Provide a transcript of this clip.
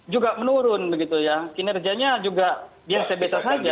juga menurun begitu ya kinerjanya juga biasa biasa saja